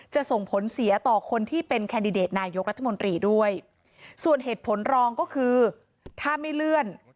ส่งผลเสียต่อคนที่เป็นแคนดิเดตนายกรัฐมนตรีด้วยส่วนเหตุผลรองก็คือถ้าไม่เลื่อน